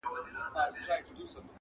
زما د آشنا غرونو کيسې کولې-